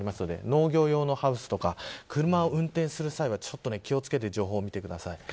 農業用のハウスとか車を運転する際は気を付けて情報を見てください。